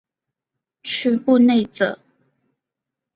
屈布内泽。